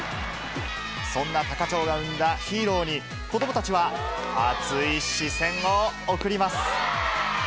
そんな多可町が生んだヒーローに、子どもたちは熱い視線を送ります。